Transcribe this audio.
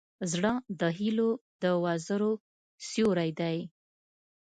زړه د هيلو د وزرو سیوری دی.